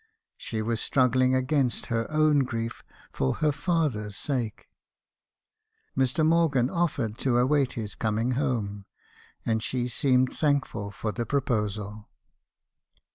' She was struggling against her own grief for her father's sake. Mr. Morgan offered to await his coming home ; and she seemed thankful for the proposal.